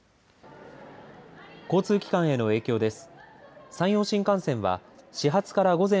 交通機関への影響です。